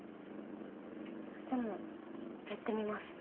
でもやってみます。